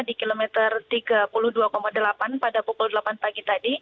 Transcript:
di kilometer tiga puluh dua delapan pada pukul delapan pagi tadi